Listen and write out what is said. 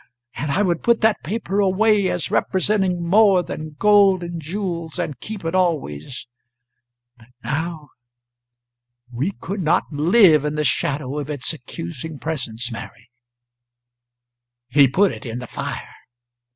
And I would put that paper away, as representing more than gold and jewels, and keep it always. But now We could not live in the shadow of its accusing presence, Mary." He put it in the fire.